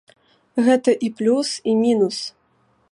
Гэта і плюс, і мінус.